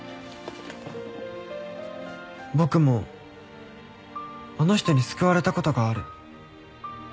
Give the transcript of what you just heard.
僕もあの人に救われた事がある。